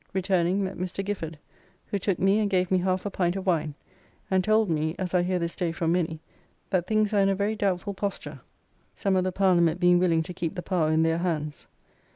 Returning, met Mr. Gifford, who took me and gave me half a pint of wine, and told me, as I hear this day from many, that things are in a very doubtful posture, some of the Parliament being willing to keep the power in their hands.